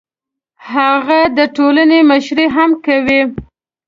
هغه د ټولنې مشري هم کوي.